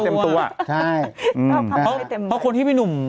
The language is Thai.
เพราะคนที่มีหนุ่ม